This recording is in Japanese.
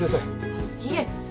あっいえ。